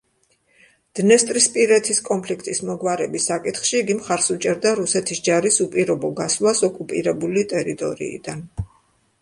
დნესტრისპირეთის კონფლიქტის მოგვარების საკითხში იგი მხარს უჭერდა რუსეთის ჯარის უპირობო გასვლას ოკუპირებული ტერიტორიიდან.